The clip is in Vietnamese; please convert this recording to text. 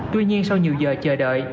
tuy nhiên sau nhiều giờ chờ đợi